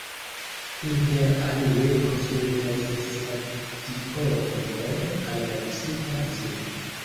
Interalie konstruita estis stadiono kaj la distrikta muzeo.